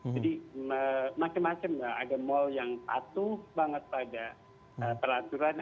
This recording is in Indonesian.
jadi masing masing ada mal yang patuh banget pada peraturan